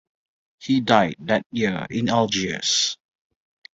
He died that year in Algiers.